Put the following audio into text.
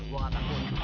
gue gak takut